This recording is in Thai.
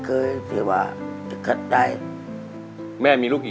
แล้วเจ้าบ้านก็โอบาทุกคนเนี่ย